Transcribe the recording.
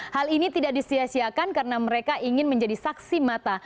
hal ini tidak disiasiakan karena mereka ingin menjadi saksi mata